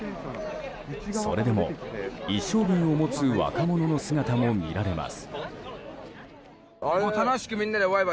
それでも、一升瓶を持つ若者の姿も見られます。